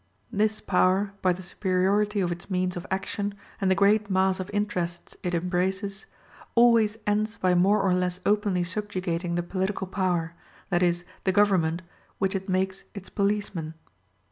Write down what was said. This power, by the superiority of its means of action, and the great mass of interests it embraces, always ends by more or less openly subjugating the political power, that is, the government, which it makes its policeman.